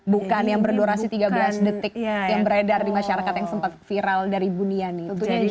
bukan yang berdurasi tiga belas detik yang beredar di masyarakat yang sempat viral dari buniani